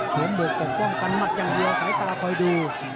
หมวกปกป้องกันหมัดอย่างเดียวสายตาคอยดู